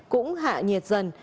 cũng hạ nhiệt dần